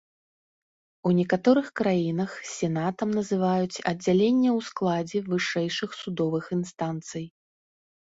У некаторых краінах сенатам называюць аддзялення ў складзе вышэйшых судовых інстанцый.